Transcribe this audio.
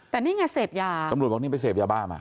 แต่นี่ไงเสพยาสมรวจบอกนี่มันเป็นเสพยาบ้ามา